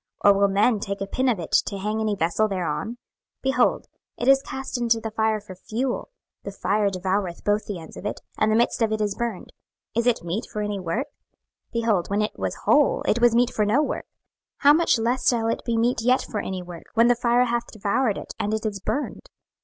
or will men take a pin of it to hang any vessel thereon? 26:015:004 Behold, it is cast into the fire for fuel; the fire devoureth both the ends of it, and the midst of it is burned. Is it meet for any work? 26:015:005 Behold, when it was whole, it was meet for no work: how much less shall it be meet yet for any work, when the fire hath devoured it, and it is burned?